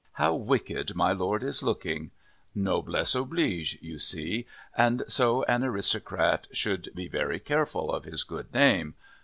"How wicked my Lord is looking!" Noblesse oblige, you see, and so an aristocrat should be very careful of his good name.